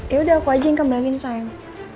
ya udah aku aja yang kembalikan sayang